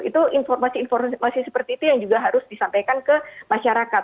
itu informasi informasi seperti itu yang juga harus disampaikan ke masyarakat